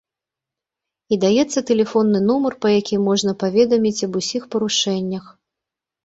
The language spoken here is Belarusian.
І даецца тэлефонны нумар, па якім можна паведаміць аб усіх парушэннях.